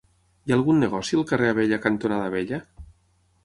Hi ha algun negoci al carrer Abella cantonada Abella?